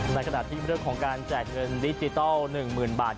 ในกระดาษที่มีเรื่องของการแจกเงินดิจิตอล๑๐๐๐๐บาท